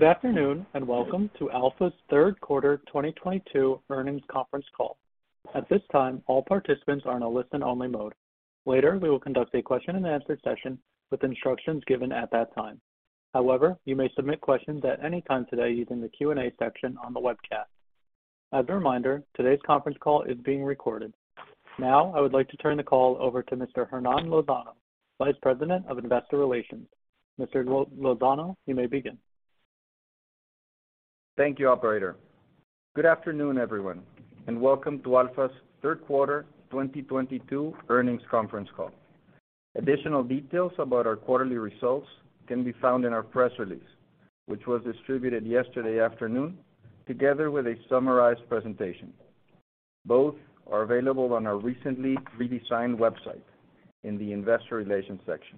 Good afternoon, and welcome to Alfa's third quarter 2022 earnings conference call. At this time, all participants are in a listen-only mode. Later, we will conduct a question and answer session with instructions given at that time. However, you may submit questions at any time today using the Q&A section on the webcast. As a reminder, today's conference call is being recorded. Now, I would like to turn the call over to Mr. Hernan Lozano, Vice President of Investor Relations. Mr. Lozano, you may begin. Thank you, operator. Good afternoon, everyone, and welcome to Alfa's third quarter 2022 earnings conference call. Additional details about our quarterly results can be found in our press release, which was distributed yesterday afternoon, together with a summarized presentation. Both are available on our recently redesigned website in the investor relations section.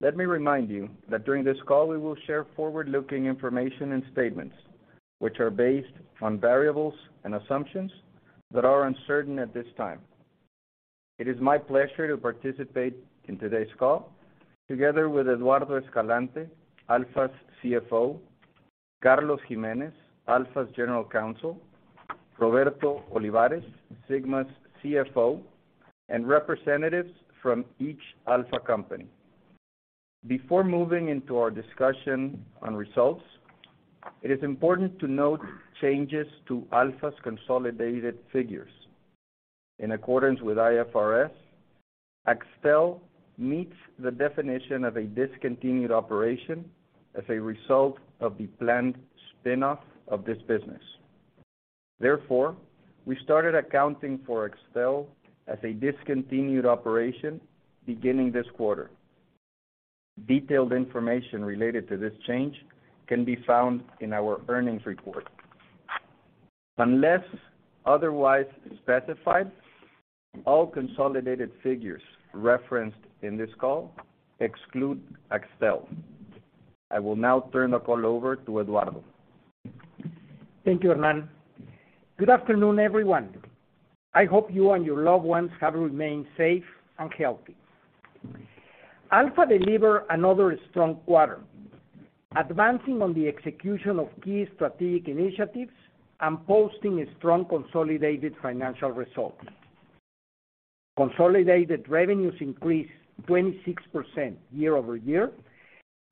Let me remind you that during this call we will share forward-looking information and statements, which are based on variables and assumptions that are uncertain at this time. It is my pleasure to participate in today's call together with Eduardo Escalante, Alfa's CFO, Carlos Jiménez, Alfa's general counsel, Roberto Olivares, Sigma's CFO, and representatives from each Alfa company. Before moving into our discussion on results, it is important to note changes to Alfa's consolidated figures. In accordance with IFRS, Axtel meets the definition of a discontinued operation as a result of the planned spin-off of this business. Therefore, we started accounting for Axtel as a discontinued operation beginning this quarter. Detailed information related to this change can be found in our earnings report. Unless otherwise specified, all consolidated figures referenced in this call exclude Axtel. I will now turn the call over to Eduardo. Thank you, Hernan. Good afternoon, everyone. I hope you and your loved ones have remained safe and healthy. Alfa deliver another strong quarter, advancing on the execution of key strategic initiatives and posting a strong consolidated financial result. Consolidated revenues increased 26% year-over-year,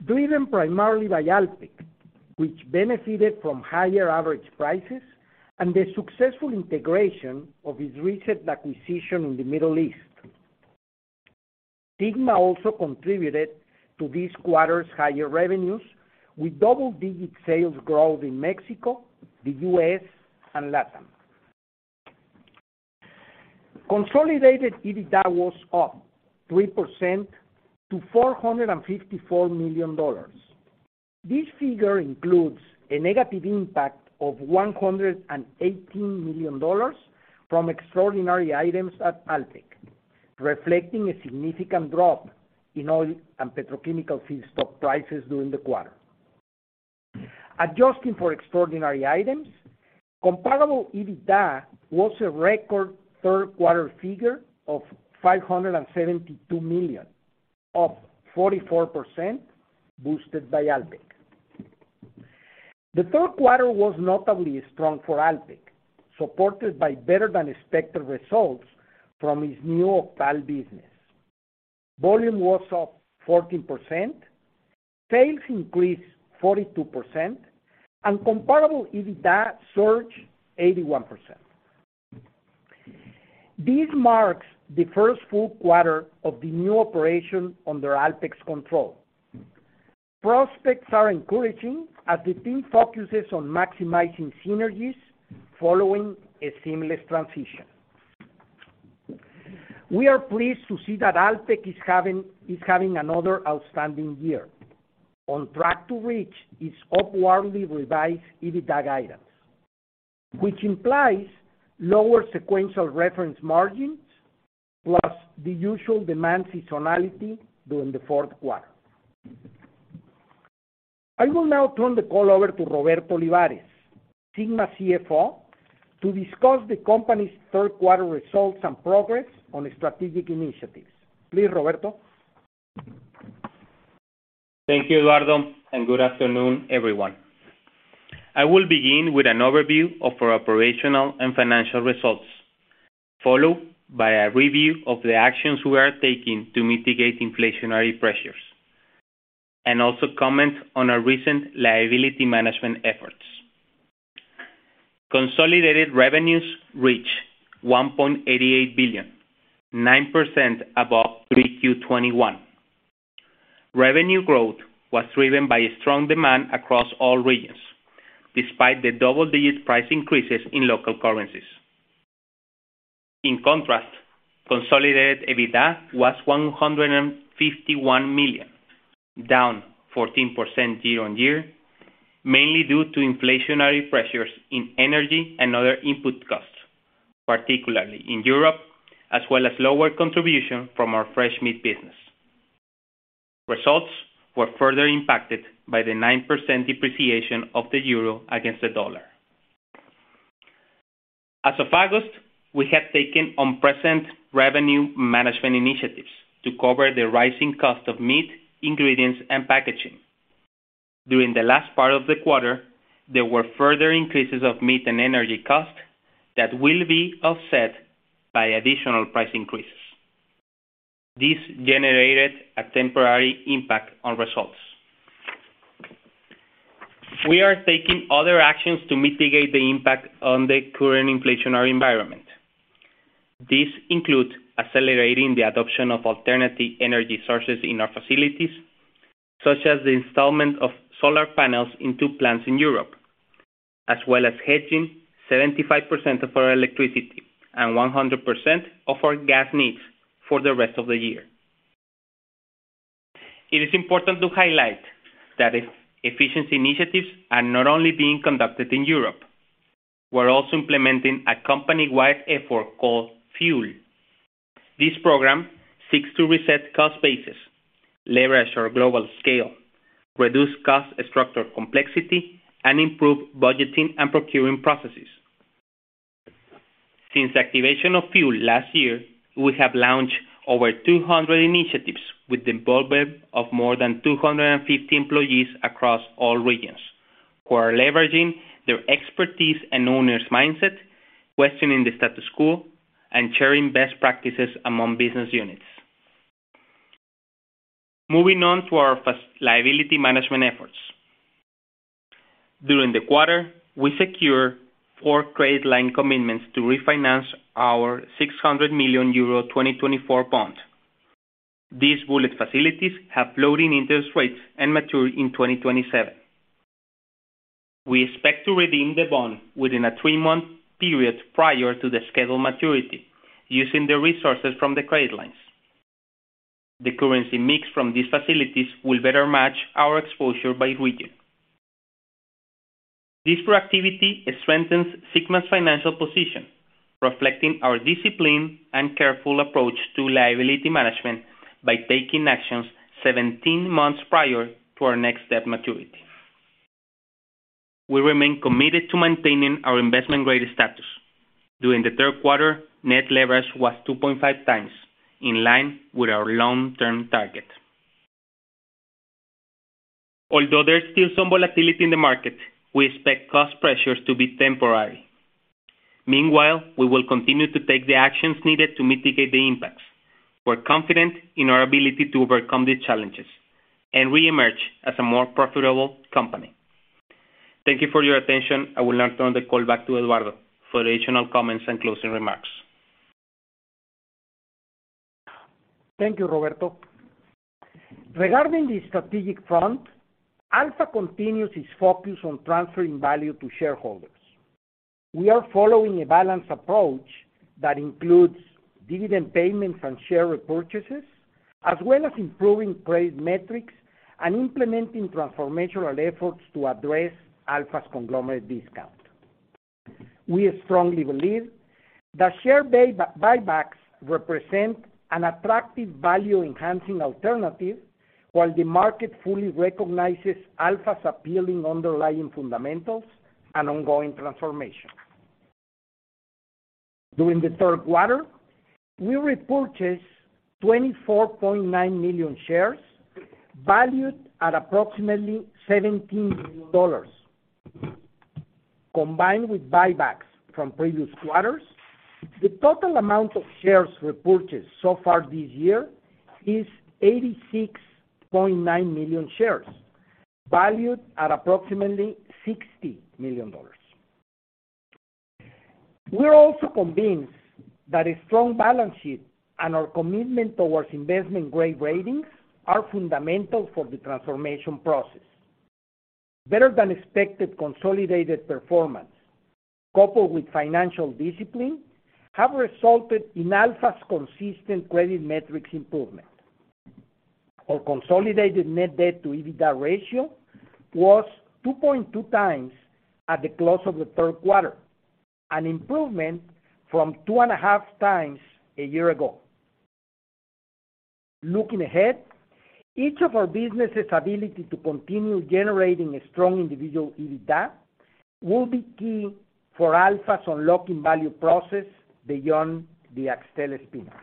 driven primarily by Alpek, which benefited from higher average prices and the successful integration of its recent acquisition in the Middle East. Sigma also contributed to this quarter's higher revenues with double-digit sales growth in Mexico, the U.S., and Latam. Consolidated EBITDA was up 3% to $454 million. This figure includes a negative impact of $118 million from extraordinary items at Alpek, reflecting a significant drop in oil and petrochemical feedstock prices during the quarter. Adjusting for extraordinary items, comparable EBITDA was a record third quarter figure of 572 million, up 44%, boosted by Alpek. The third quarter was notably strong for Alpek, supported by better than expected results from its Novapet business. Volume was up 14%, sales increased 42%, and comparable EBITDA surged 81%. This marks the first full quarter of the new operation under Alpek's control. Prospects are encouraging as the team focuses on maximizing synergies following a seamless transition. We are pleased to see that Alpek is having another outstanding year, on track to reach its upwardly revised EBITDA guidance, which implies lower sequential reference margins, plus the usual demand seasonality during the fourth quarter. I will now turn the call over to Roberto Olivares, Sigma CFO, to discuss the company's third quarter results and progress on strategic initiatives. Please, Roberto. Thank you, Eduardo, and good afternoon, everyone. I will begin with an overview of our operational and financial results, followed by a review of the actions we are taking to mitigate inflationary pressures, and also comment on our recent liability management efforts. Consolidated revenues reached $1.88 billion, 9% above 3Q 2021. Revenue growth was driven by strong demand across all regions, despite the double-digit price increases in local currencies. In contrast, consolidated EBITDA was $151 million, down 14% year-on-year, mainly due to inflationary pressures in energy and other input costs, particularly in Europe, as well as lower contribution from our fresh meat business. Results were further impacted by the 9% depreciation of the euro against the dollar. As of August, we have taken on present revenue management initiatives to cover the rising cost of meat, ingredients, and packaging. During the last part of the quarter, there were further increases of meat and energy costs that will be offset by additional price increases. This generated a temporary impact on results. We are taking other actions to mitigate the impact on the current inflationary environment. This includes accelerating the adoption of alternative energy sources in our facilities, such as the installation of solar panels in two plants in Europe, as well as hedging 75% of our electricity and 100% of our gas needs for the rest of the year. It is important to highlight that efficiency initiatives are not only being conducted in Europe, we're also implementing a company-wide effort called FUEL. This program seeks to reset cost bases, leverage our global scale, reduce cost structure complexity, and improve budgeting and procuring processes. Since activation of FUEL last year, we have launched over 200 initiatives with the involvement of more than 250 employees across all regions, who are leveraging their expertise and owner's mindset, questioning the status quo, and sharing best practices among business units. Moving on to our liability management efforts. During the quarter, we secured four credit line commitments to refinance our 600 million euro 2024 bonds. These bullet facilities have floating interest rates and mature in 2027. We expect to redeem the bond within a three-month period prior to the scheduled maturity using the resources from the credit lines. The currency mix from these facilities will better match our exposure by region. This proactivity strengthens Sigma's financial position, reflecting our discipline and careful approach to liability management by taking actions 17 months prior to our next debt maturity. We remain committed to maintaining our investment-grade status. During the third quarter, net leverage was 2.5x, in line with our long-term target. Although there's still some volatility in the market, we expect cost pressures to be temporary. Meanwhile, we will continue to take the actions needed to mitigate the impacts. We're confident in our ability to overcome these challenges and re-emerge as a more profitable company. Thank you for your attention. I will now turn the call back to Eduardo for additional comments and closing remarks. Thank you, Roberto. Regarding the strategic front, Alfa continues its focus on transferring value to shareholders. We are following a balanced approach that includes dividend payments and share repurchases, as well as improving debt metrics and implementing transformational efforts to address Alfa's conglomerate discount. We strongly believe that share buybacks represent an attractive value-enhancing alternative while the market fully recognizes Alfa's appealing underlying fundamentals and ongoing transformation. During the third quarter, we repurchased 24.9 million shares, valued at approximately $17 million. Combined with buybacks from previous quarters, the total amount of shares repurchased so far this year is 86.9 million shares, valued at approximately $60 million. We're also convinced that a strong balance sheet and our commitment towards investment-grade ratings are fundamental for the transformation process. Better-than-expected consolidated performance, coupled with financial discipline, have resulted in Alfa's consistent credit metrics improvement. Our consolidated net debt to EBITDA ratio was 2.2x at the close of the third quarter, an improvement from 2.5x a year ago. Looking ahead, each of our businesses' ability to continue generating a strong individual EBITDA will be key for Alfa's unlocking value process beyond the Axtel spin-off.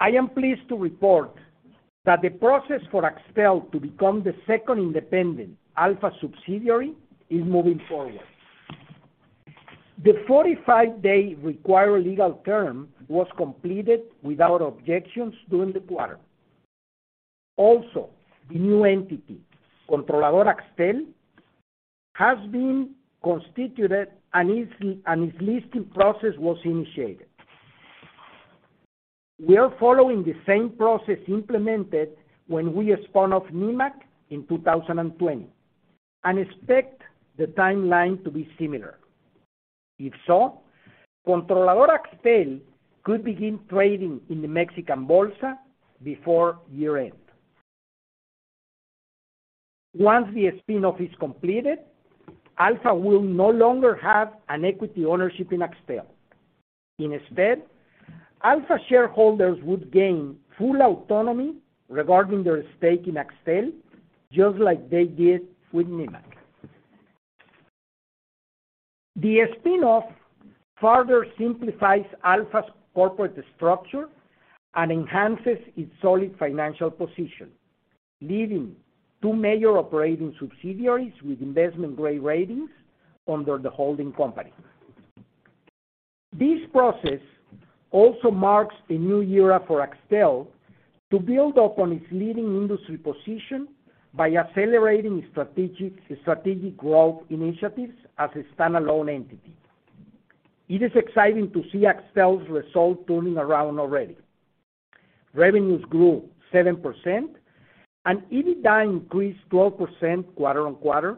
I am pleased to report that the process for Axtel to become the second independent Alfa subsidiary is moving forward. The 45-day required legal term was completed without objections during the quarter. Also, the new entity, Controladora Axtel, has been constituted and its listing process was initiated. We are following the same process implemented when we spun off Nemak in 2020, and expect the timeline to be similar. If so, Controladora Axtel could begin trading in the Mexican bolsa before year-end. Once the spin-off is completed, Alfa will no longer have an equity ownership in Axtel. Instead, Alfa shareholders would gain full autonomy regarding their stake in Axtel, just like they did with Nemak. The spin-off further simplifies Alfa's corporate structure and enhances its solid financial position, leaving two major operating subsidiaries with investment-grade ratings under the holding company. This process also marks a new era for Axtel to build upon its leading industry position by accelerating strategic growth initiatives as a standalone entity. It is exciting to see Axtel's results turning around already. Revenues grew 7% and EBITDA increased 12% quarter-on-quarter,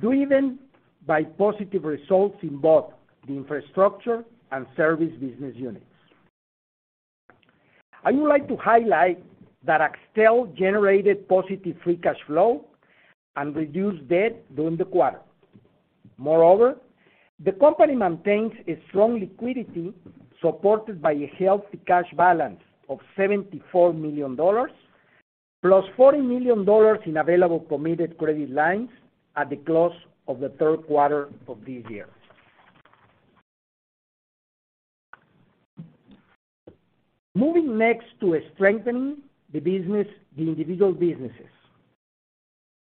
driven by positive results in both the infrastructure and service business units. I would like to highlight that Axtel generated positive free cash flow and reduced debt during the quarter. Moreover, the company maintains a strong liquidity supported by a healthy cash balance of $74 million, plus $40 million in available committed credit lines at the close of the third quarter of this year. Moving next to strengthening the business, the individual businesses.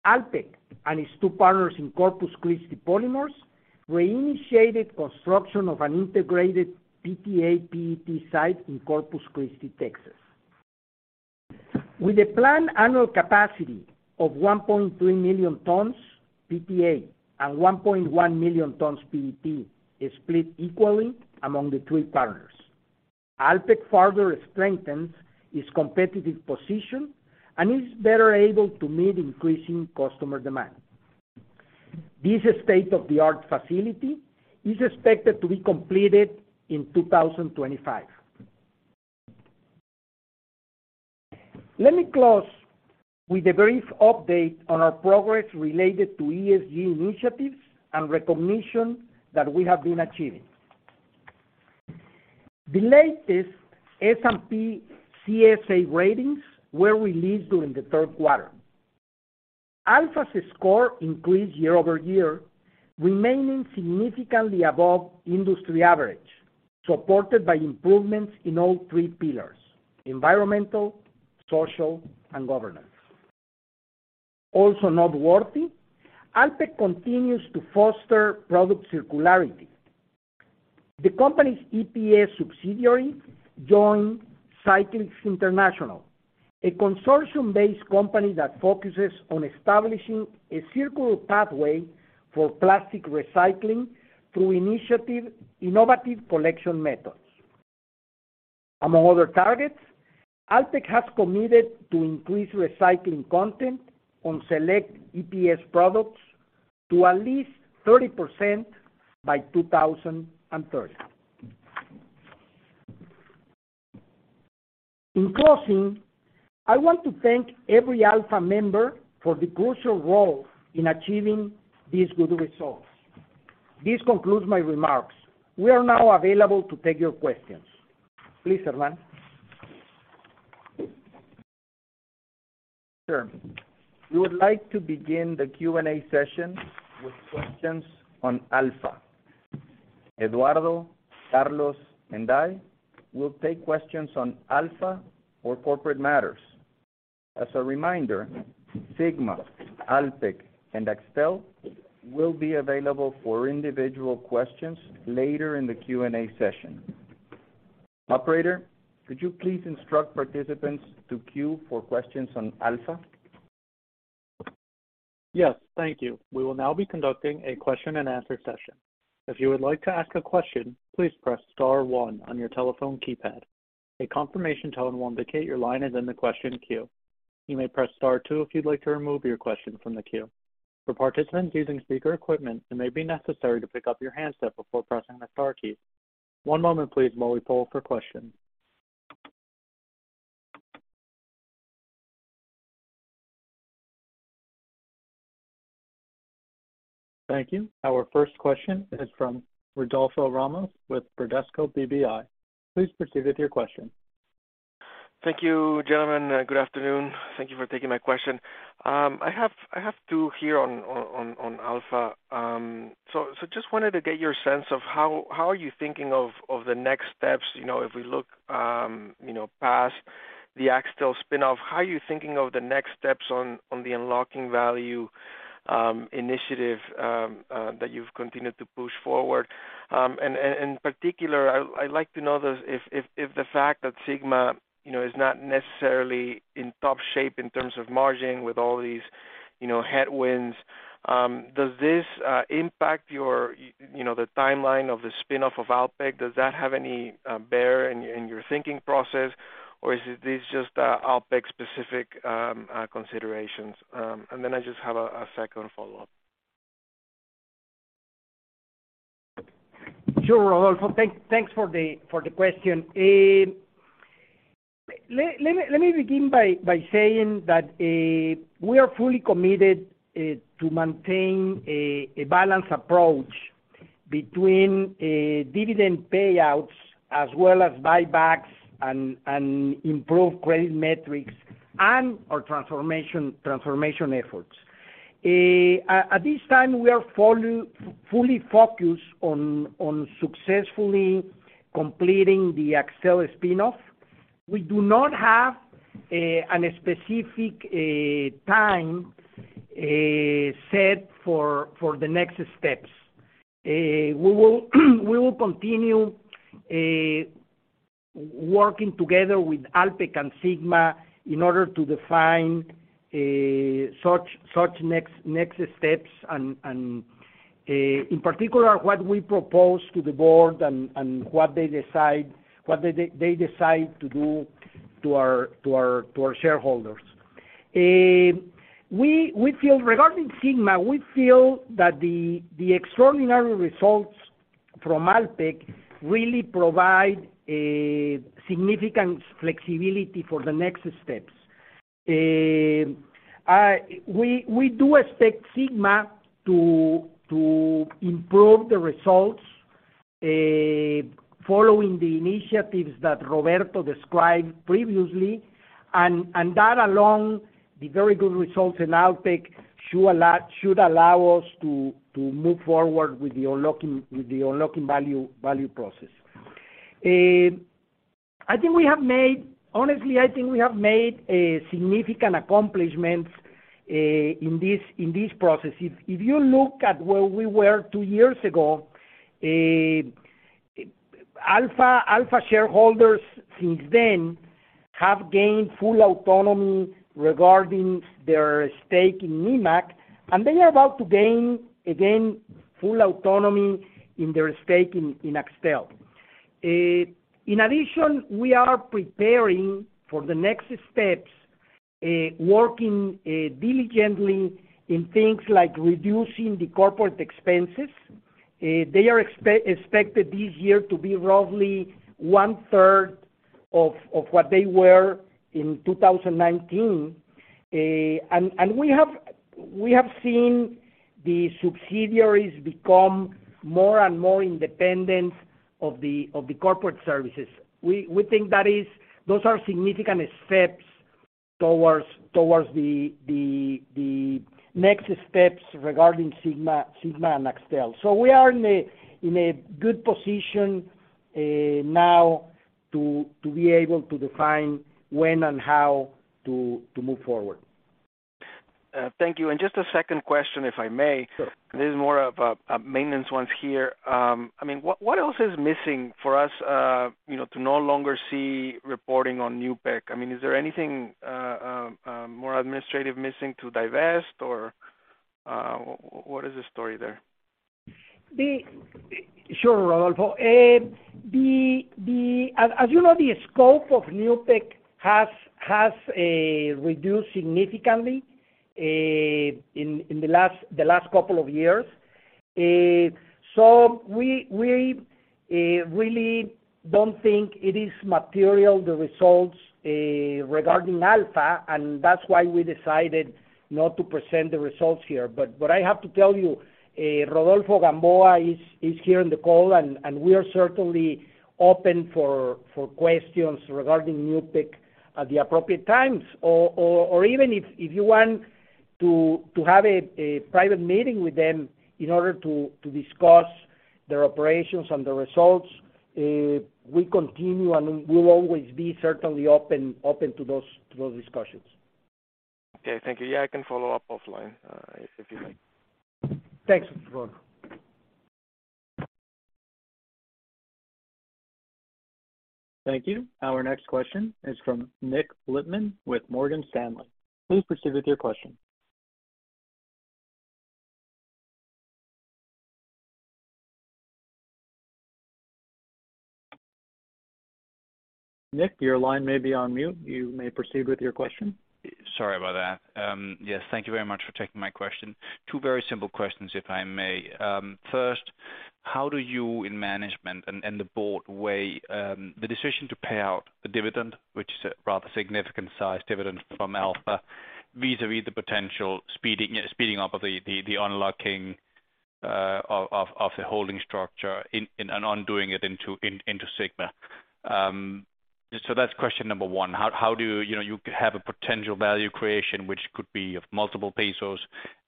Alpek and its two partners in Corpus Christi Polymers reinitiated construction of an integrated PTA-PET site in Corpus Christi, Texas. With a planned annual capacity of 1.3 million tons PTA and 1.1 million tons PET is split equally among the three partners. Alpek further strengthens its competitive position and is better able to meet increasing customer demand. This state-of-the-art facility is expected to be completed in 2025. Let me close with a brief update on our progress related to ESG initiatives and recognition that we have been achieving. The latest S&P CSA ratings were released during the third quarter. Alfa's score increased year-over-year, remaining significantly above industry average, supported by improvements in all three pillars, environmental, social, and governance. Alpek continues to foster product circularity. The company's EPS subsidiary joined Cyclyx International, a consortium-based company that focuses on establishing a circular pathway for plastic recycling through innovative collection methods. Among other targets, Alpek has committed to increase recycling content on select EPS products to at least 30% by 2030. In closing, I want to thank every Alfa member for the crucial role in achieving these good results. This concludes my remarks. We are now available to take your questions. Please, Hernan. Sure. We would like to begin the Q&A session with questions on Alfa. Eduardo, Carlos, and I will take questions on Alfa or corporate matters. As a reminder, Sigma, Alpek, and Axtel will be available for individual questions later in the Q&A session. Operator, could you please instruct participants to queue for questions on Alfa? Yes, thank you. We will now be conducting a question-and-answer session. If you would like to ask a question, please press star one on your telephone keypad. A confirmation tone will indicate your line is in the question queue. You may press star two if you'd like to remove your question from the queue. For participants using speaker equipment, it may be necessary to pick up your handset before pressing the star key. One moment please while we poll for questions. Thank you. Our first question is from Rodolfo Ramos with Bradesco BBI. Please proceed with your question. Thank you, gentlemen. Good afternoon. Thank you for taking my question. I have two here on Alfa. So just wanted to get your sense of how are you thinking of the next steps, you know, if we look, you know, past the Axtel spin-off. How are you thinking of the next steps on the unlocking value initiative that you've continued to push forward? In particular I'd like to know if the fact that Sigma, you know, is not necessarily in top shape in terms of margin with all these, you know, headwinds does this impact your, you know, the timeline of the spin-off of Alpek? Does that have any bearing on your thinking process, or is this just Alpek-specific considerations? I just have a second follow-up. Sure, Rodolfo. Thanks for the question. Let me begin by saying that we are fully committed to maintain a balanced approach between dividend payouts as well as buybacks and improved credit metrics and our transformation efforts. At this time, we are fully focused on successfully completing the Axtel spinoff. We do not have a specific time set for the next steps. We will continue working together with Alpek and Sigma in order to define such next steps and in particular, what we propose to the board and what they decide to do to our shareholders. We feel regarding Sigma that the extraordinary results from Alpek really provide a significant flexibility for the next steps. We do expect Sigma to improve the results following the initiatives that Roberto described previously. That, along the very good results in Alpek, should allow us to move forward with the unlocking value process. Honestly, I think we have made a significant accomplishments in this process. If you look at where we were two years ago, Alfa shareholders since then have gained full autonomy regarding their stake in Nemak, and they are about to gain, again, full autonomy in their stake in Axtel. In addition, we are preparing for the next steps, working diligently in things like reducing the corporate expenses. They are expected this year to be roughly one-third of what they were in 2019. We have seen the subsidiaries become more and more independent of the corporate services. We think those are significant steps towards the next steps regarding Sigma and Axtel. We are in a good position now to be able to define when and how to move forward. Thank you. Just a second question, if I may. Sure. This is more of a maintenance ones here. I mean, what else is missing for us, you know, to no longer see reporting on Newpek? I mean, is there anything more administrative missing to divest or, what is the story there? Sure, Rodolfo. As you know, the scope of Newpek has reduced significantly in the last couple of years. So we really don't think it is material, the results regarding Alfa, and that's why we decided not to present the results here. What I have to tell you, Rodolfo Gamboa is here in the call, and we are certainly open for questions regarding Newpek at the appropriate times. Even if you want to have a private meeting with them in order to discuss their operations and the results, we continue and we'll always be certainly open to those discussions. Okay. Thank you. Yeah, I can follow up offline, if you think. Thanks, Rodolfo. Thank you. Our next question is from Nik Lippmann with Morgan Stanley. Please proceed with your question. Nik, your line may be on mute. You may proceed with your question. Sorry about that. Yes, thank you very much for taking my question. Two very simple questions, if I may. First, how do you in management and the board weigh the decision to pay out the dividend, which is a rather significant sized dividend from Alfa, vis-à-vis the potential speeding up of the unlocking of the holding structure and undoing it into Sigma? That's question number one. How do you You know, you have a potential value creation, which could be of multiple pesos,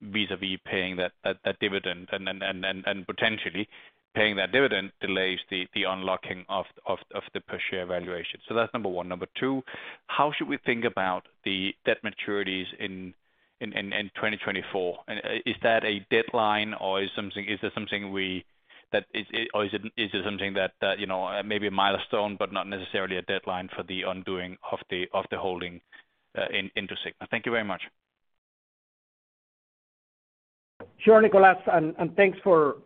vis-à-vis paying that dividend and then potentially paying that dividend delays the unlocking of the per share valuation. That's number one. Number two, how should we think about the debt maturities in 2024? Is that a deadline or is that something that, you know, maybe a milestone, but not necessarily a deadline for the undoing of the holding into Sigma? Thank you very much. Sure, Ni, thanks for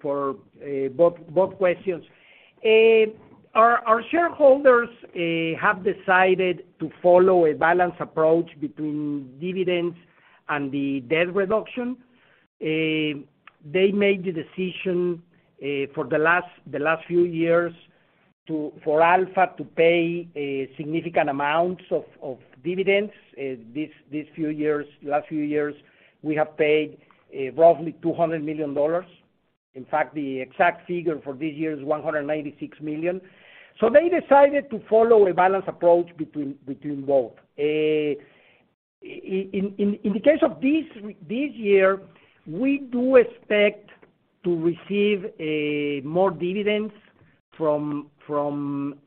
both questions. Our shareholders have decided to follow a balanced approach between dividends and the debt reduction. They made the decision for the last few years for Alfa to pay significant amounts of dividends. Last few years, we have paid roughly $200 million. In fact, the exact figure for this year is $186 million. They decided to follow a balanced approach between both. In the case of this year, we do expect to receive more dividends from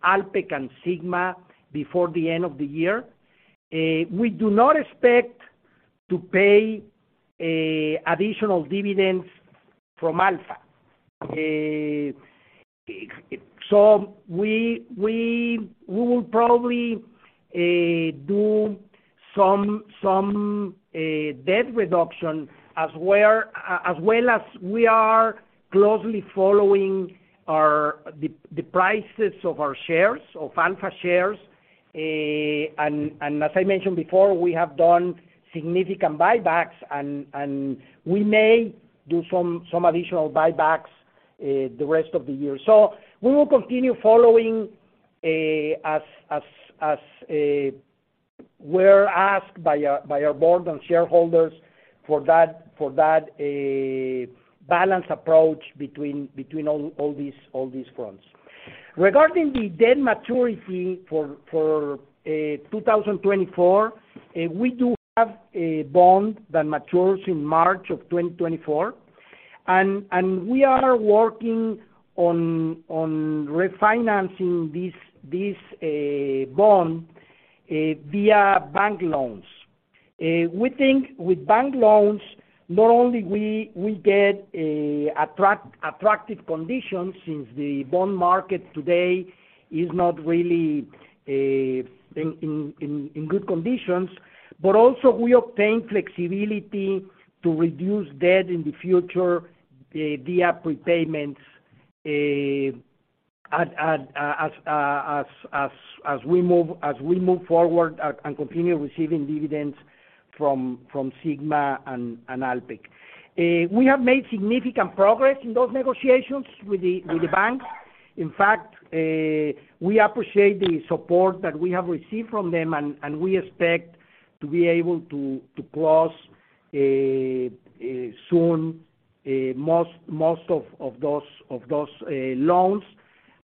Alpek and Sigma before the end of the year. We do not expect to pay additional dividends from Alfa. We will probably do some debt reduction as well as we are closely following the prices of our shares of Alfa shares. As I mentioned before, we have done significant buybacks and we may do some additional buybacks the rest of the year. We will continue following as we're asked by our board and shareholders for that balanced approach between all these fronts. Regarding the debt maturity for 2024, we do have a bond that matures in March of 2024. We are working on refinancing this bond via bank loans. We think with bank loans, not only we get attractive conditions since the bond market today is not really in good conditions. Also we obtain flexibility to reduce debt in the future via prepayments as we move forward and continue receiving dividends from Sigma and Alpek. We have made significant progress in those negotiations with the banks. In fact, we appreciate the support that we have received from them, and we expect to be able to close soon most of those loans.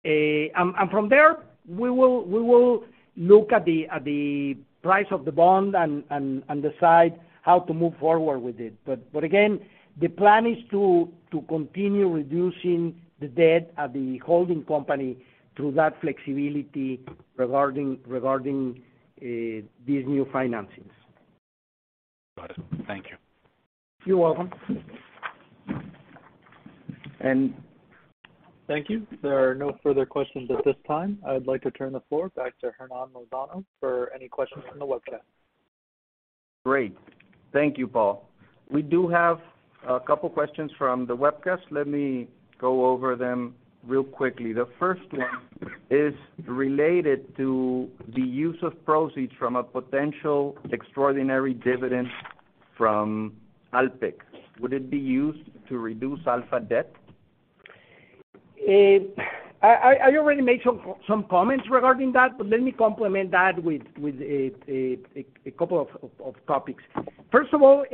From there, we will look at the price of the bond and decide how to move forward with it. Again, the plan is to continue reducing the debt at the holding company through that flexibility regarding these new financings. Got it. Thank you. You're welcome. Thank you. There are no further questions at this time. I would like to turn the floor back to Hernan Lozano for any questions from the webcast. Great. Thank you, Paul. We do have a couple questions from the webcast. Let me go over them real quickly. The first one is related to the use of proceeds from a potential extraordinary dividend from Alpek. Would it be used to reduce Alfa debt? I already made some comments regarding that, but let me complement that with a couple of topics. First of all,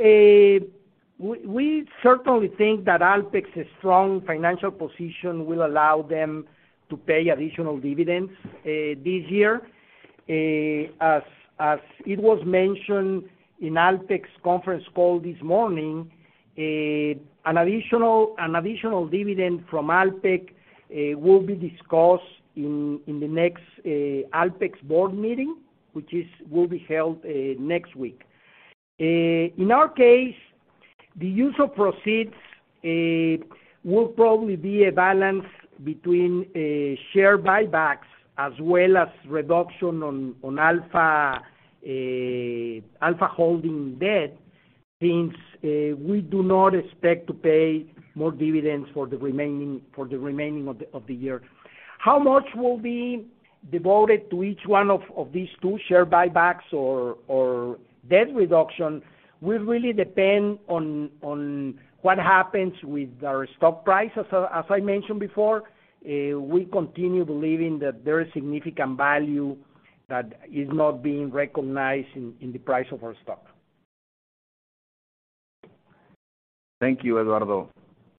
we certainly think that Alpek's strong financial position will allow them to pay additional dividends this year. As it was mentioned in Alpek's conference call this morning, an additional dividend from Alpek will be discussed in the next Alpek's board meeting, which will be held next week. In our case, the use of proceeds will probably be a balance between share buybacks as well as reduction on Alfa holding debt, since we do not expect to pay more dividends for the remaining of the year. How much will be devoted to each one of these two share buybacks or debt reduction will really depend on what happens with our stock price. As I mentioned before, we continue believing that there is significant value that is not being recognized in the price of our stock. Thank you, Eduardo.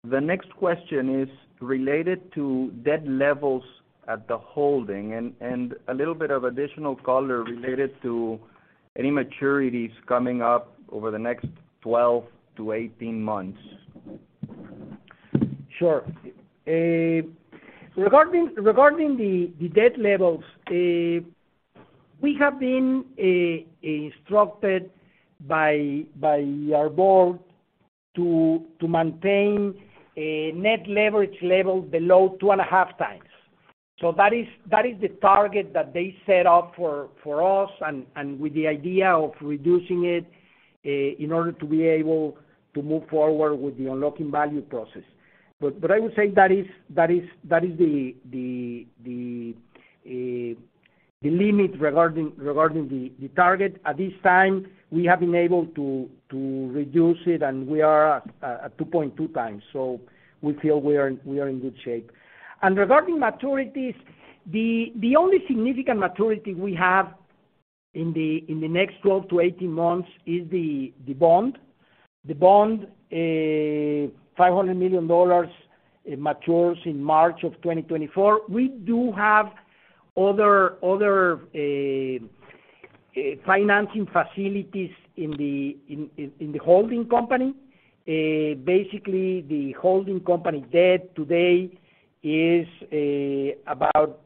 The next question is related to debt levels at the holding and a little bit of additional color related to any maturities coming up over the next 12-18 months. Sure. Regarding the debt levels, we have been instructed by our board to maintain a net leverage level below 2.5x That is the target that they set up for us and with the idea of reducing it in order to be able to move forward with the unlocking value process. I would say that is the limit regarding the target at this time. We have been able to reduce it and we are at 2.2x. We feel we are in good shape. Regarding maturities, the only significant maturity we have in the next 12-18 months is the bond. The bond, $500 million, it matures in March of 2024. We do have other financing facilities in the holding company. Basically the holding company debt today is about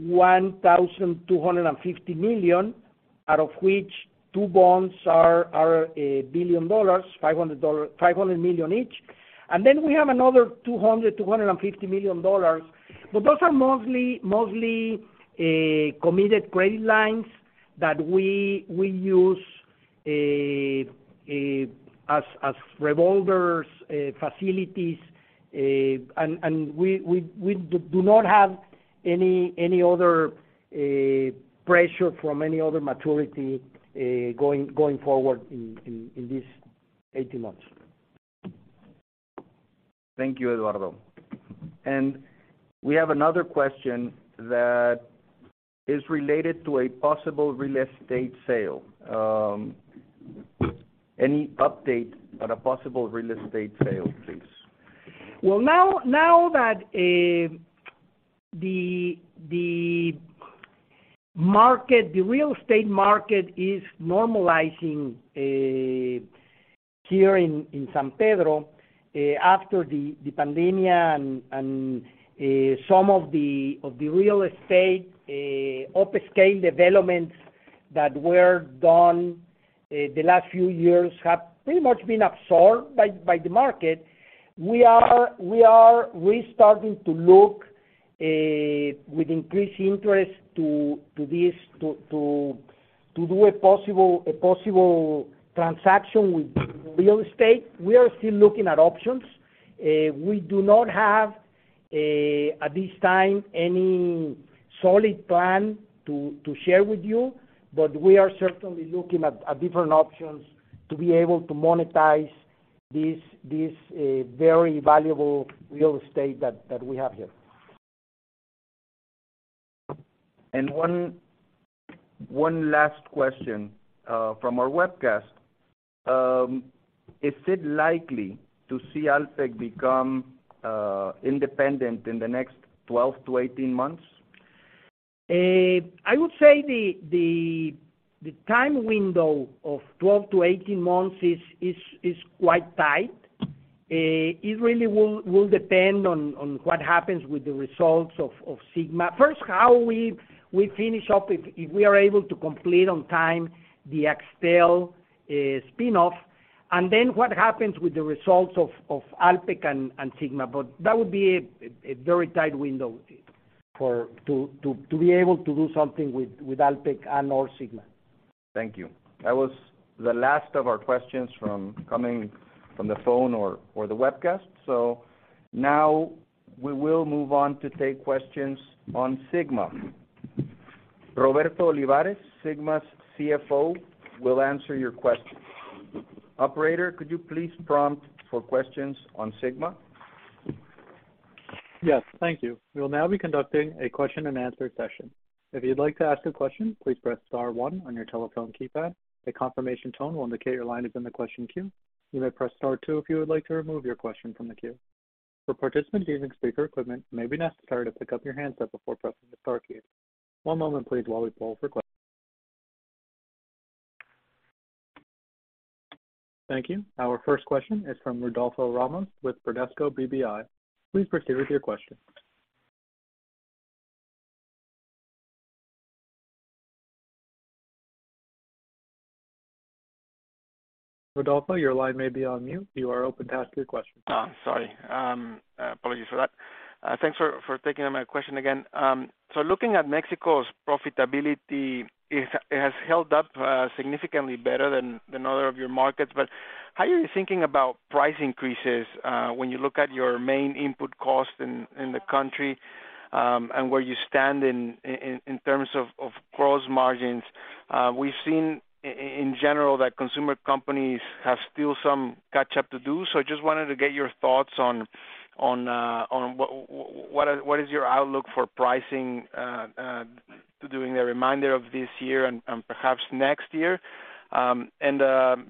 $1,250 million, out of which two bonds are $1 billion, $500 million each. We have another $250 million. Those are mostly committed credit lines that we use as revolver facilities. We do not have any other pressure from any other maturity going forward in these 18 months. Thank you, Eduardo. We have another question that is related to a possible real estate sale. Any update on a possible real estate sale, please? Well, now that the real estate market is normalizing here in San Pedro after the pandemic and some of the real estate upscale developments that were done the last few years have pretty much been absorbed by the market. We are restarting to look with increased interest to do a possible transaction with real estate. We are still looking at options. We do not have at this time any solid plan to share with you, but we are certainly looking at different options to be able to monetize this very valuable real estate that we have here. One last question from our webcast. Is it likely to see Alpek become independent in the next 12-18 months? I would say the time window of 12-18 months is quite tight. It really will depend on what happens with the results of Sigma. First, how we finish up, if we are able to complete on time the Axtel spin-off. Then what happens with the results of Alpek and Sigma. That would be a very tight window to be able to do something with Alpek and/or Sigma. Thank you. That was the last of our questions coming from the phone or the webcast. Now we will move on to take questions on Sigma. Roberto Olivares, Sigma's CFO, will answer your questions. Operator, could you please prompt for questions on Sigma? Yes, thank you. We will now be conducting a question-and-answer session. If you'd like to ask a question, please press star one on your telephone keypad. A confirmation tone will indicate your line is in the question queue. You may press star two if you would like to remove your question from the queue. For participants using speaker equipment, it may be necessary to pick up your handset before pressing the star key. One moment please. Thank you. Our first question is from Rodolfo Ramos with Bradesco BBI. Please proceed with your question. Rodolfo, your line may be on mute. You are open to ask your question. Oh, sorry. Apologies for that. Thanks for taking my question again. So looking at Mexico's profitability, it has held up significantly better than other of your markets. How are you thinking about price increases when you look at your main input costs in the country and where you stand in terms of gross margins? We've seen in general that consumer companies have still some catch up to do. I just wanted to get your thoughts on what is your outlook for pricing during the remainder of this year and perhaps next year? You know,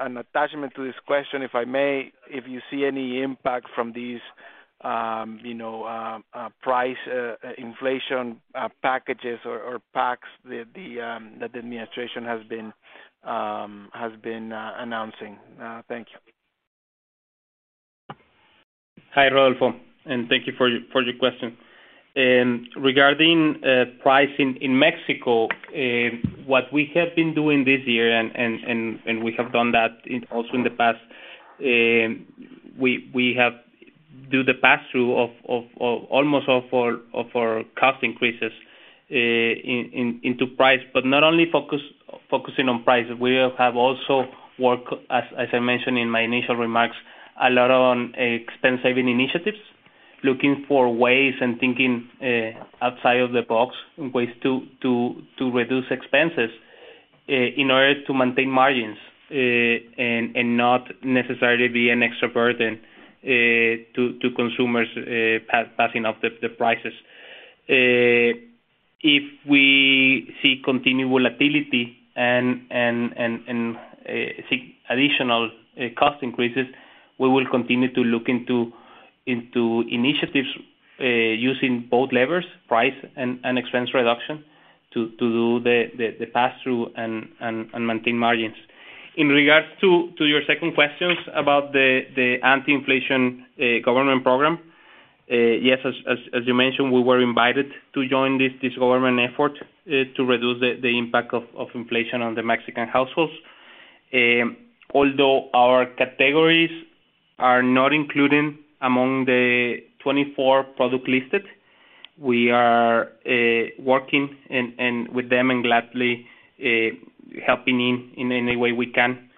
an attachment to this question, if I may, if you see any impact from these, you know, price inflation packages or packs that the administration has been announcing. Thank you. Hi, Rodolfo, and thank you for your question. Regarding pricing in Mexico, what we have been doing this year and we have done that also in the past, we have to do the pass-through of almost all of our cost increases into price, but not only focusing on prices, we have also worked, as I mentioned in my initial remarks, a lot on expense saving initiatives, looking for ways and thinking outside of the box in ways to reduce expenses in order to maintain margins, and not necessarily be an extra burden to consumers, passing on the prices. If we see continued volatility and see additional cost increases, we will continue to look into initiatives, using both levers, price and expense reduction to do the pass-through and maintain margins. In regards to your second question about the anti-inflation government program, yes, as you mentioned, we were invited to join this government effort to reduce the impact of inflation on the Mexican households. Although our categories are not included among the 24 products listed, we are working with them and gladly helping in any way we can.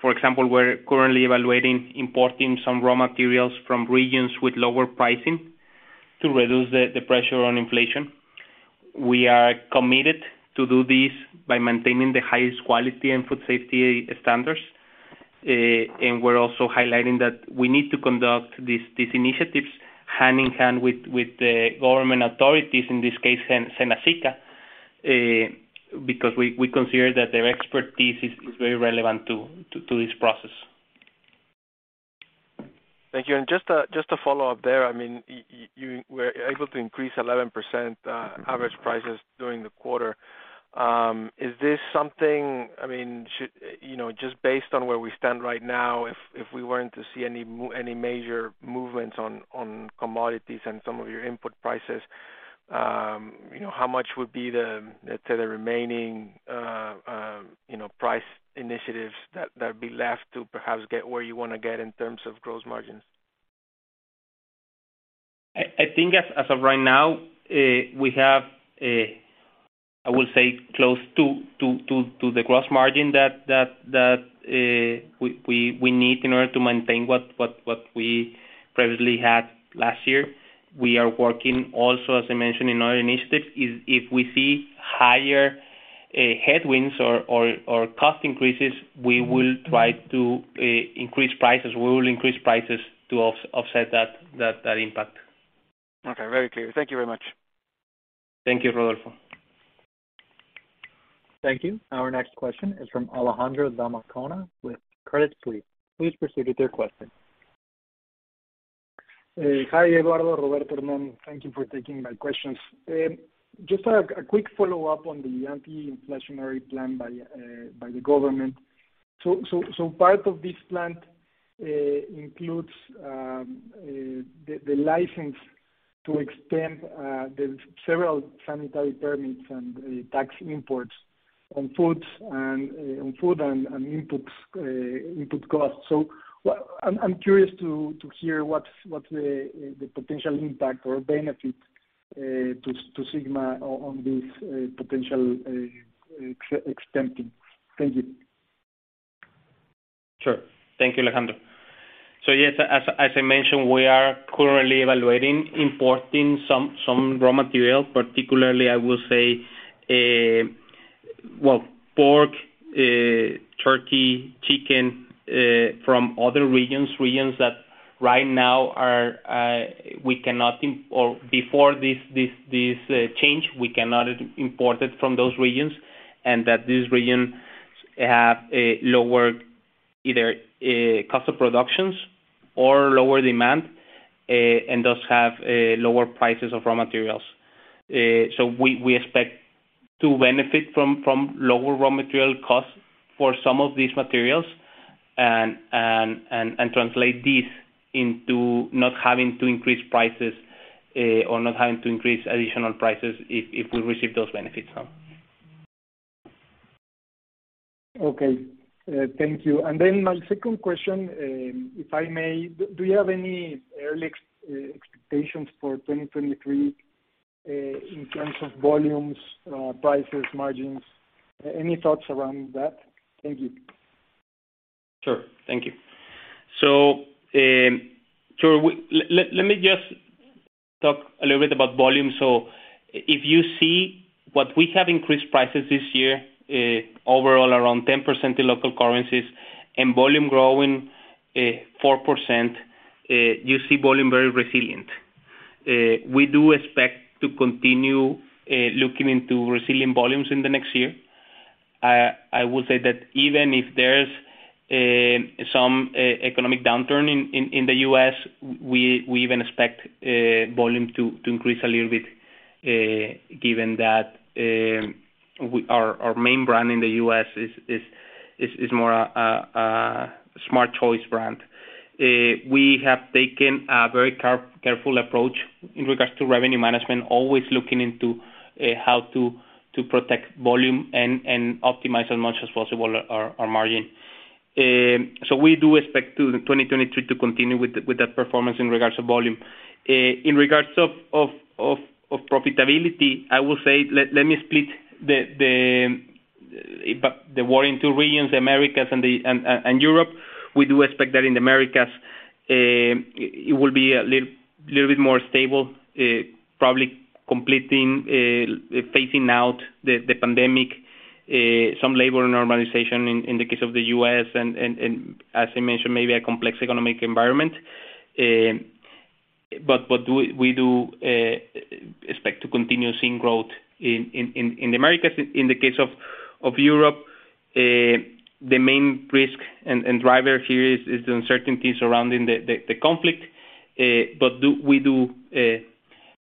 For example, we're currently evaluating importing some raw materials from regions with lower pricing to reduce the pressure on inflation. We are committed to do this by maintaining the highest quality and food safety standards. We're also highlighting that we need to conduct these initiatives hand-in-hand with the government authorities, in this case, Senasica, because we consider that their expertise is very relevant to this process. Thank you. Just a follow-up there. I mean, you were able to increase 11% average prices during the quarter. Is this something? I mean, should you know, just based on where we stand right now, if we weren't to see any major movements on commodities and some of your input prices, you know, how much would be the, let's say, the remaining price initiatives that would be left to perhaps get where you wanna get in terms of gross margins? I think as of right now, we have I will say close to the gross margin that we need in order to maintain what we previously had last year. We are working also, as I mentioned, in other initiatives. If we see higher headwinds or cost increases, we will try to increase prices. We will increase prices to offset that impact. Okay. Very clear. Thank you very much. Thank you, Rodolfo. Thank you. Our next question is from Alejandro Azar with Credit Suisse. Please proceed with your question. Hi, Eduardo, Roberto, Hernan. Thank you for taking my questions. Just a quick follow-up on the anti-inflationary plan by the government. Part of this plan includes the license to extend the several sanitary permits and import taxes on food and input costs. I'm curious to hear what's the potential impact or benefit to Sigma on this potential extension. Thank you. Sure. Thank you, Alejandro. Yes, as I mentioned, we are currently evaluating importing some raw material, particularly, pork, turkey, chicken, from other regions that right now we cannot import from or before this change we cannot import it from those regions, and that these regions have a lower cost of production or lower demand and thus have lower prices of raw materials. We expect to benefit from lower raw material costs for some of these materials and translate this into not having to increase prices or not having to increase additional prices if we receive those benefits now. Okay. Thank you. My second question, if I may, do you have any early expectations for 2023, in terms of volumes, prices, margins? Any thoughts around that? Thank you. Sure. Thank you. Let me just talk a little bit about volume. If you see, we have increased prices this year, overall around 10% in local currencies and volume growing 4%, you see volume very resilient. We do expect to continue looking into resilient volumes in the next year. I will say that even if there's some economic downturn in the U.S., we even expect volume to increase a little bit, given that our main brand in the U.S. is more a smart choice brand. We have taken a very careful approach in regards to revenue management, always looking into how to protect volume and optimize as much as possible our margin. We do expect 2023 to continue with that performance in regards to volume. In regards of profitability, I will say, let me split the world in two regions, the Americas and Europe. We do expect that in the Americas, it will be a little bit more stable, probably completing phasing out the pandemic, some labor normalization in the case of the U.S. and as I mentioned, maybe a complex economic environment. We expect to continue seeing growth in the Americas. In the case of Europe, the main risk and driver here is the uncertainty surrounding the conflict. We do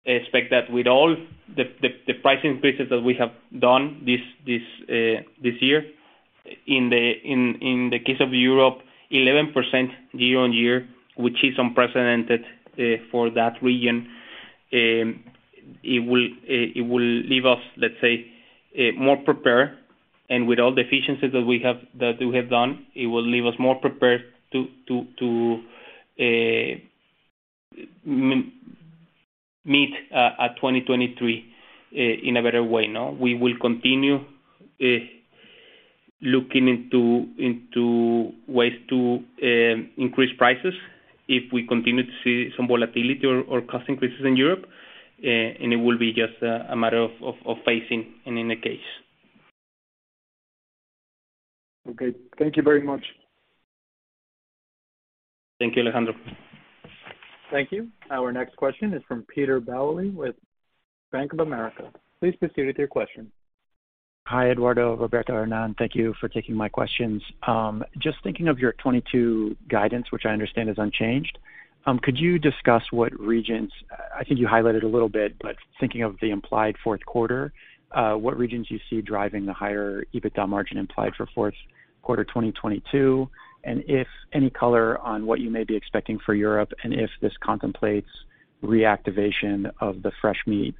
expect that with all the price increases that we have done this year in the case of Europe, 11% year-on-year, which is unprecedented for that region, it will leave us, let's say, more prepared. With all the efficiencies that we have done, it will leave us more prepared to meet 2023 in a better way. Now, we will continue looking into ways to increase prices if we continue to see some volatility or cost increases in Europe. It will be just a matter of facing an increase. Okay. Thank you very much. Thank you, Alejandro. Thank you. Our next question is from Pedro Balcao with Bank of America. Please proceed with your question. Hi, Eduardo, Roberto, Hernan. Thank you for taking my questions. Just thinking of your 2022 guidance, which I understand is unchanged, could you discuss what regions, I think you highlighted a little bit, but thinking of the implied fourth quarter, what regions you see driving the higher EBITDA margin implied for fourth quarter 2022? If any color on what you may be expecting for Europe, and if this contemplates reactivation of the fresh meat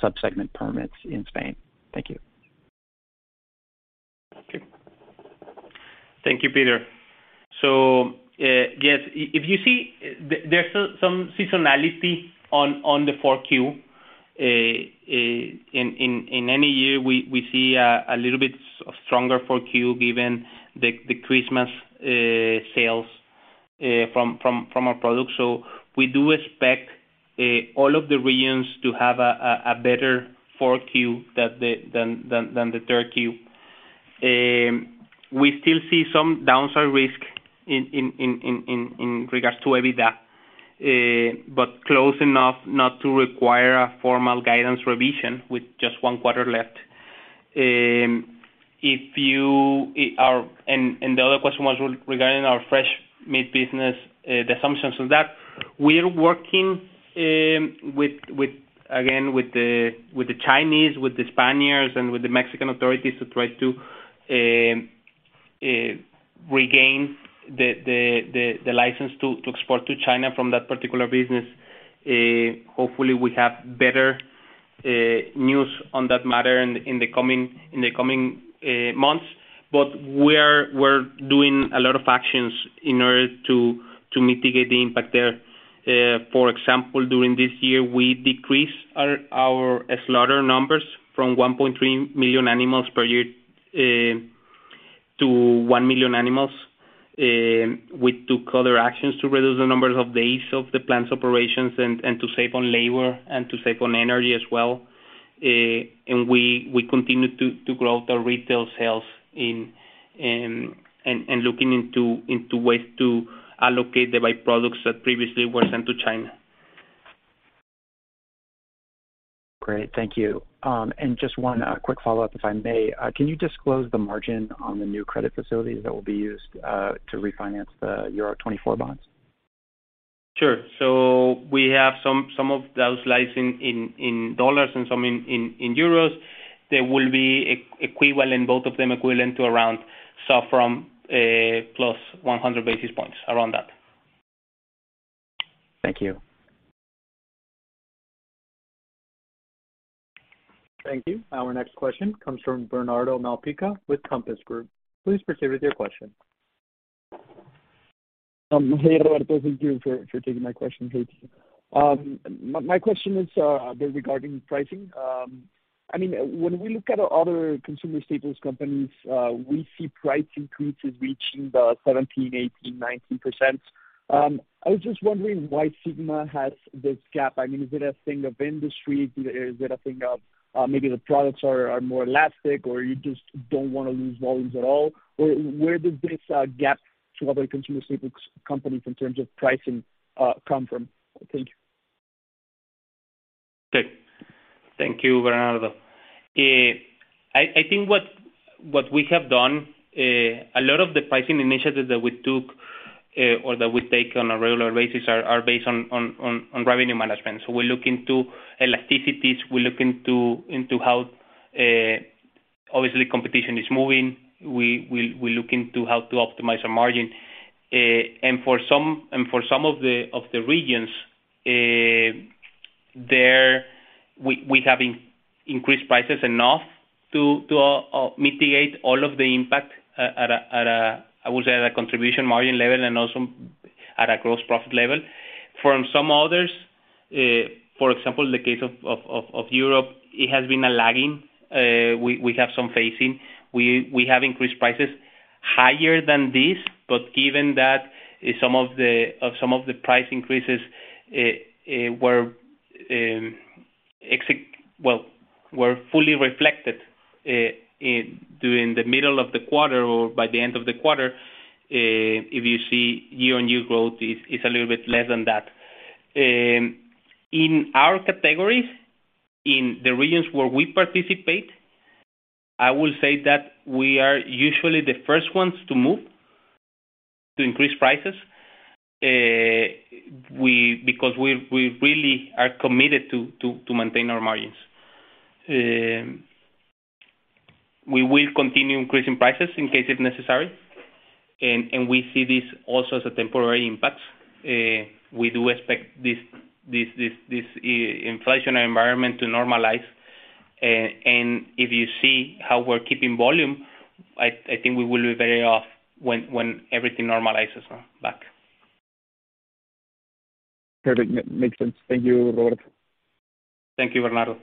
sub-segment permits in Spain. Thank you. Okay. Thank you, Peter. Yes, if you see there's some seasonality on the 4Q. In any year, we see a little bit stronger for Q given the Christmas sales from our products. We do expect all of the regions to have a better 4Q than the 3Q. We still see some downside risk in regards to EBITDA, but close enough not to require a formal guidance revision with just one quarter left. The other question was regarding our fresh meat business, the assumptions of that. We are working with the Chinese, with the Spaniards, and with the Mexican authorities to try to regain the license to export to China from that particular business. Hopefully we have better news on that matter in the coming months. We're doing a lot of actions in order to mitigate the impact there. For example, during this year, we decreased our slaughter numbers from 1.3 million animals per year to 1 million animals. We took other actions to reduce the numbers of days of the plant's operations and to save on labor and to save on energy as well. We continue to grow our retail sales and looking into ways to allocate the byproducts that previously were sent to China. Great. Thank you. Just one quick follow-up, if I may. Can you disclose the margin on the new credit facilities that will be used to refinance the euro 2024 bonds? We have some of those loans in dollars and some in euros. They will be equivalent in both of them to around SOFR + 100 basis points, around that. Thank you. Thank you. Our next question comes from Bernardo Malpica with Compass Group. Please proceed with your question. Hey, Eduardo. Thank you for taking my question. My question is regarding pricing. I mean, when we look at other consumer staples companies, we see price increases reaching 17, 18, 19%. I was just wondering why Sigma has this gap. I mean, is it a thing of industry? Is it a thing of maybe the products are more elastic, or you just don't want to lose volumes at all? Where does this gap to other consumer staples companies in terms of pricing come from? Thank you. Okay. Thank you, Bernardo. I think what we have done a lot of the pricing initiatives that we took or that we take on a regular basis are based on revenue management. We look into elasticities. We look into how obviously competition is moving. We look into how to optimize our margin. For some of the regions, there we have increased prices enough to mitigate all of the impact at a, I would say, at a contribution margin level and also at a gross profit level. For some others, for example, in the case of Europe, it has been a lagging. We have some facing. We have increased prices higher than this, but given that some of the price increases were fully reflected during the middle of the quarter or by the end of the quarter, if you see year-on-year growth is a little bit less than that. In our categories, in the regions where we participate, I will say that we are usually the first ones to move to increase prices because we really are committed to maintain our margins. We will continue increasing prices in case if necessary, and we see this also as a temporary impact. We do expect this inflationary environment to normalize. If you see how we're keeping volume, I think we will be very off when everything normalizes back. Okay. Makes sense. Thank you, Roberto. Thank you, Bernardo.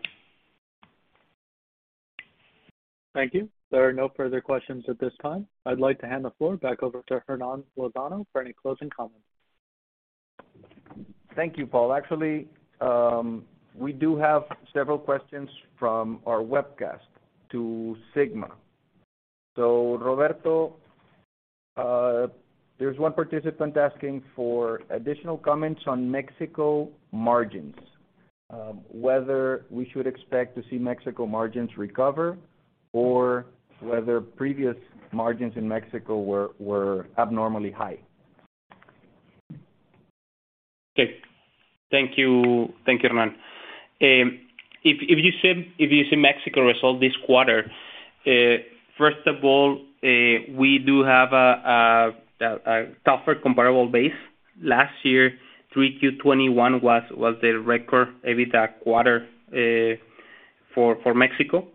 Thank you. There are no further questions at this time. I'd like to hand the floor back over to Hernan Lozano for any closing comments. Thank you, Paul. Actually, we do have several questions from our webcast to Sigma. Roberto, there's one participant asking for additional comments on Mexico margins, whether we should expect to see Mexico margins recover or whether previous margins in Mexico were abnormally high. Okay. Thank you, thank you, Hernan. If you see Mexico result this quarter, first of all, we do have a tougher comparable base. Last year, 3Q 2021 was the record EBITDA quarter for Mexico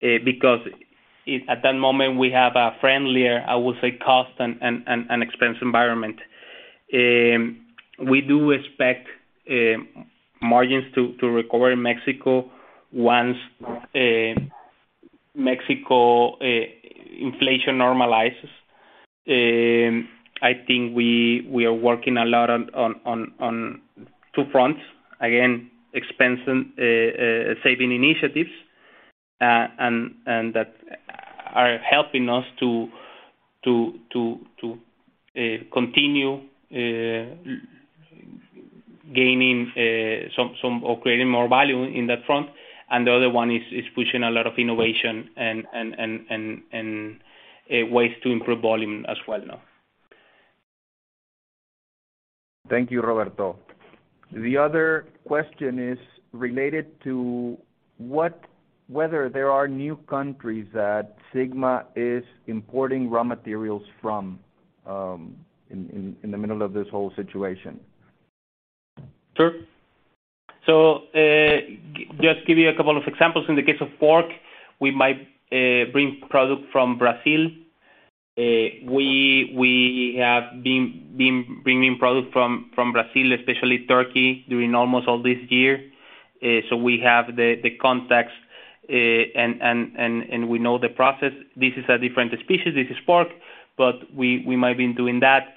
because at that moment we have a friendlier, I would say, cost and expense environment. We do expect margins to recover in Mexico once Mexico inflation normalizes. I think we are working a lot on two fronts, again, expense and saving initiatives, and that are helping us to continue gaining some or creating more value in that front. The other one is pushing a lot of innovation and ways to improve volume as well now. Thank you, Roberto. The other question is related to whether there are new countries that Sigma is importing raw materials from, in the middle of this whole situation. Sure. Just give you a couple of examples. In the case of pork, we might bring product from Brazil. We have been bringing product from Brazil, especially turkey, during almost all this year. We have the context and we know the process. This is a different species, this is pork, but we might have been doing that.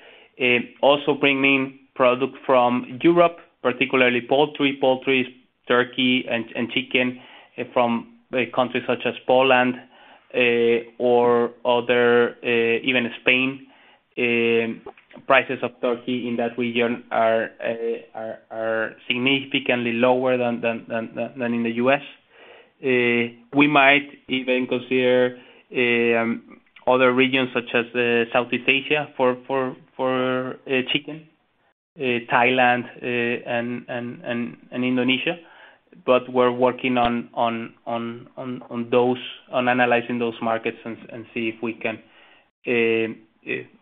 Also bringing product from Europe, particularly poultry. Poultry, turkey and chicken from countries such as Poland or other even Spain. Prices of turkey in that region are significantly lower than in the U.S. We might even consider other regions such as Southeast Asia for chicken, Thailand and Indonesia.We're working on analyzing those markets and see if we can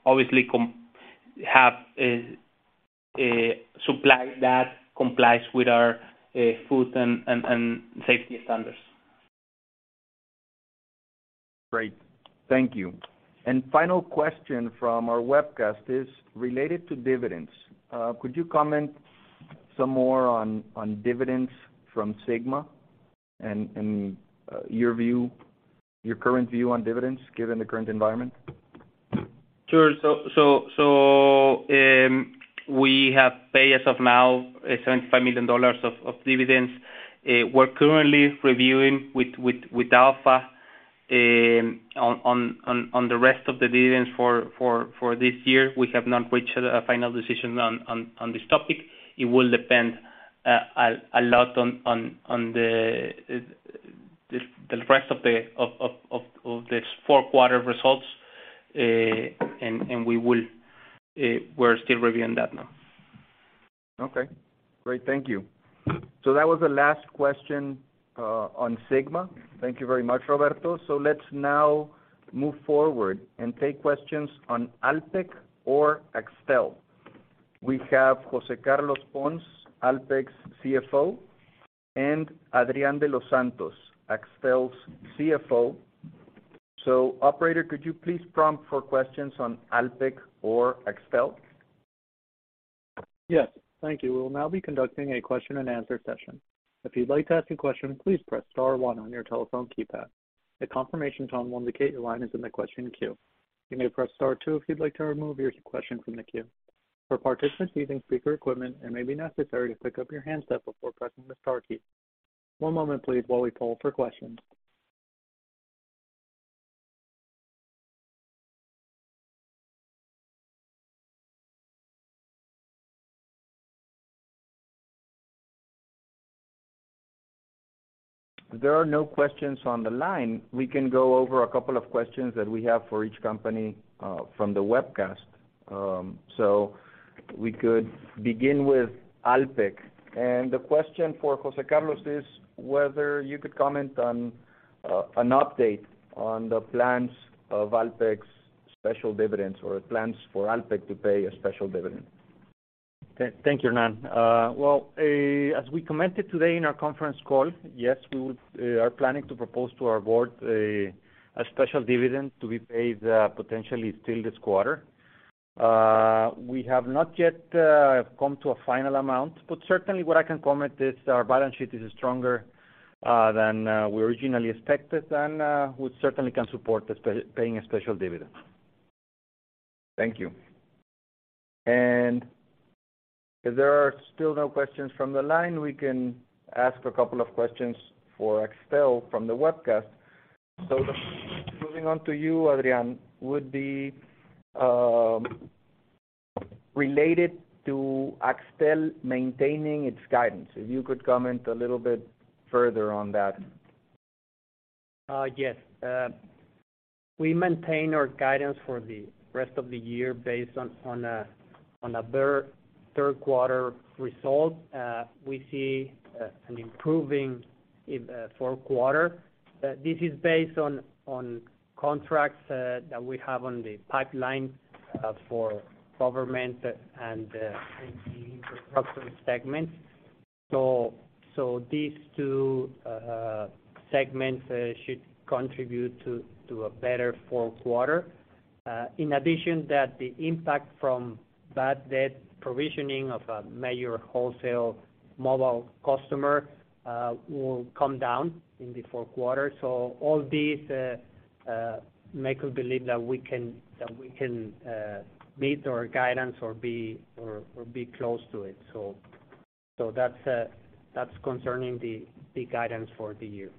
obviously have supply that complies with our food and safety standards. Great. Thank you. Final question from our webcast is related to dividends. Could you comment some more on dividends from Sigma and your current view on dividends given the current environment? Sure. We have paid as of now $75 million of dividends. We're currently reviewing with Alfa on the rest of the dividends for this year. We have not reached a final decision on this topic. It will depend a lot on the rest of the fourth quarter results. We're still reviewing that now. Okay, great. Thank you. That was the last question on Sigma. Thank you very much, Roberto. Let's now move forward and take questions on Alpek or Axtel. We have José Carlos Pons, Alpek's CFO, and Adrián de los Santos, Axtel's CFO. Operator, could you please prompt for questions on Alpek or Axtel? Yes. Thank you. We will now be conducting a question-and-answer session. If you'd like to ask a question, please press star one on your telephone keypad. A confirmation tone will indicate your line is in the question queue. You may press star two if you'd like to remove your question from the queue. For participants using speaker equipment, it may be necessary to pick up your handset before pressing the star key. One moment please while we poll for questions. There are no questions on the line. We can go over a couple of questions that we have for each company from the webcast. We could begin with Alpek. The question for José Carlos is whether you could comment on an update on the plans of Alpek's special dividends or plans for Alpek to pay a special dividend. Thank you, Hernan. Well, as we commented today in our conference call, yes, we are planning to propose to our board a special dividend to be paid potentially still this quarter. We have not yet come to a final amount, but certainly what I can comment is our balance sheet is stronger than we originally expected, and we certainly can support paying a special dividend. Thank you. If there are still no questions from the line, we can ask a couple of questions for Axtel from the webcast. Moving on to you, Adrian, would be related to Axtel maintaining its guidance. If you could comment a little bit further on that. Yes. We maintain our guidance for the rest of the year based on third quarter results. We see an improvement in fourth quarter. This is based on contracts that we have in the pipeline for government and infrastructure segment. These two segments should contribute to a better fourth quarter. In addition, the impact from bad debt provisioning of a major wholesale mobile customer will come down in the fourth quarter. All these make us believe that we can meet our guidance or be close to it. That's concerning the guidance for the year.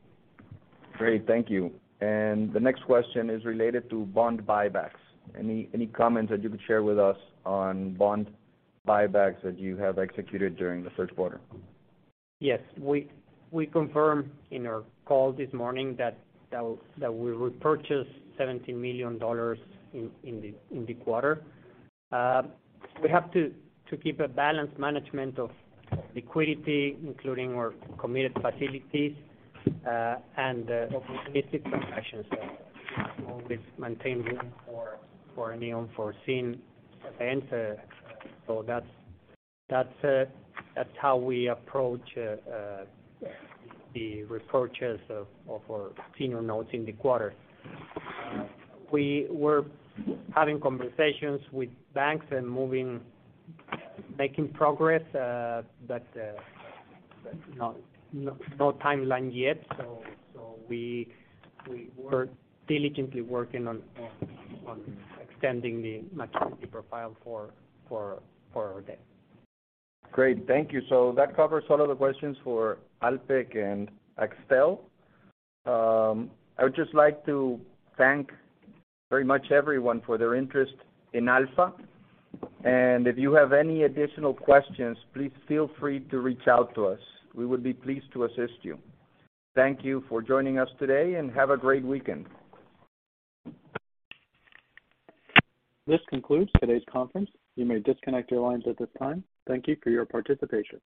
Great, thank you. The next question is related to bond buybacks. Any comments that you could share with us on bond buybacks that you have executed during the third quarter? Yes. We confirm in our call this morning that we repurchase $70 million in the quarter. We have to keep a balanced management of liquidity, including our committed facilities, and actions always maintain room for any unforeseen events. That's how we approach the repurchases of our senior notes in the quarter. We were having conversations with banks and making progress, but no timeline yet. We were diligently working on extending the maturity profile for our debt. Great. Thank you. That covers all of the questions for Alpek and Axtel. I would just like to thank very much everyone for their interest in Alfa. If you have any additional questions, please feel free to reach out to us. We would be pleased to assist you. Thank you for joining us today, and have a great weekend. This concludes today's conference. You may disconnect your lines at this time. Thank you for your participation.